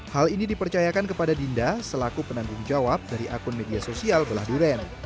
hal ini dipercayakan kepada dinda selaku penanggung jawab dari akun media sosial belah duren